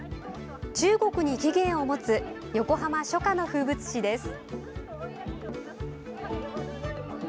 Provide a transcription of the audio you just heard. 中国に起源を持つ横浜、初夏の風物詩です。